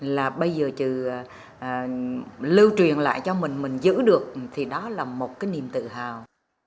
là bây giờ trừ lưu truyền lại cho mình mình giữ được thì đó là một cái niềm tự hào